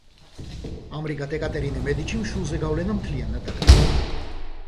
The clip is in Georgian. ამრიგად ეკატერინე მედიჩიმ შვილზე გავლენა მთლიანად დაკარგა.